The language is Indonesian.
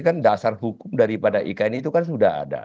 kan dasar hukum daripada ikn itu kan sudah ada